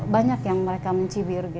banyak yang mereka mencibir